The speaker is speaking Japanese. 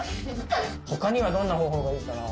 他にはどんな方法がいいかな？